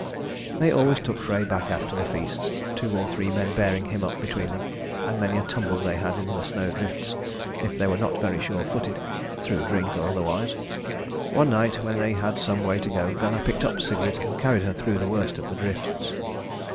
They always took Frey back after the feasts, two or three men bearing him up between them; and many a tumble they had in the snowdrifts, if they were not very surefooted, through drink or otherwise. One night when they had some way to go Gunnar picked up Sigrid and carried her through the worst of the drifts.